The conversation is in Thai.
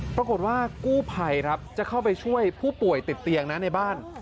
ปรากฏว่ากู้ภัยครับจะเข้าไปช่วยผู้ป่วยติดเตียงนะในบ้าน